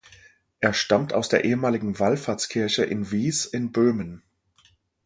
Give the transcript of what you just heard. Er stammt aus der ehemaligen Wallfahrtskirche in Wies in Böhmen.